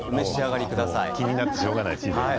気になってしょうがないチーバくん。